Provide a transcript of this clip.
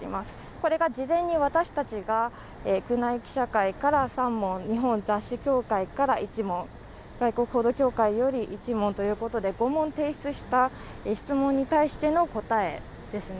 これが事前に私たちが宮内記者会から３問日本雑誌協会から１問外国報道協会より１問ということで５問提出した質問に対しての答えですね。